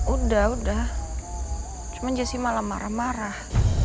udah udah cuman jessy malah marah marah